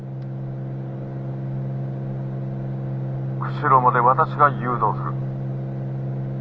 「釧路まで私が誘導する」。